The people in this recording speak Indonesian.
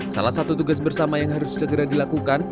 salah satu tugas bersama yang harus segera dilakukan